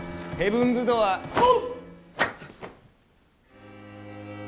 ヘブンズ・ドアー。